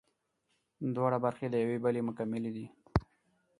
دواړه برخې د یوې بلې مکملې دي